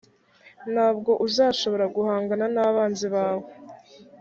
nta bwo uzashobora guhangana n’abanzi bawe.